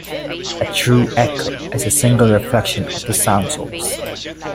A true echo is a single reflection of the sound source.